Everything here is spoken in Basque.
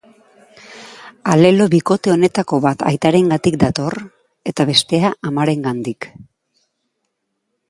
Alelo bikote honetako bat aitarengandik dator, eta bestea amarengandik.